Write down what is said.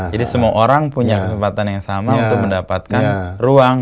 jadi semua orang punya kesempatan yang sama untuk mendapatkan ruang